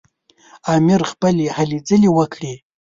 امیر خپلې هلې ځلې وکړې.